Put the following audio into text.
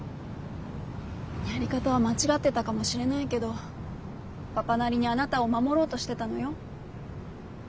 やり方は間違ってたかもしれないけどパパなりにあなたを守ろうとしてたのよ。